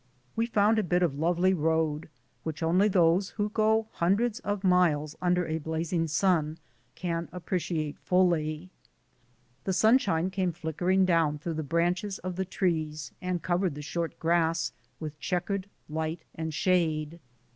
We found a bit of lovely road, which only those who go hundreds of miles under a blazing sun can appreci ate fully. The sunshine came flickering down through the branches of the trees and covered tlie short grass with checkered light and shade.